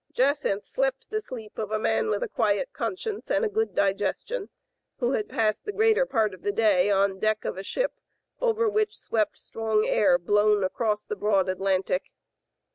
Jacynth slept the sleep of a man with a quiet conscience and a good digestion, who had passed Digitized by Google 254 THE FA TE OF FEMELLA. the greater part of the day on deck of a ship over which swept strong air blown across the broad Atlantic.